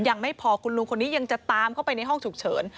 ยังไม่พอคุณลุงคนนี้ยังจะตามเข้าไปในห้องฉุกเฉิน